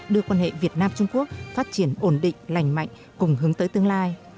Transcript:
đưa quan hệ việt nam trung quốc phát triển ổn định lành mạnh cùng hướng tới tương lai